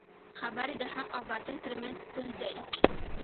خبرې د حق او باطل ترمنځ پول دی